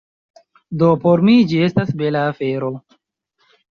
do por mi ĝi estas bela afero